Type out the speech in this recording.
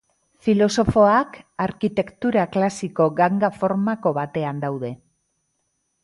Filosofoak arkitektura klasiko ganga-formako batean daude.